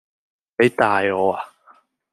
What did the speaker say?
你大我呀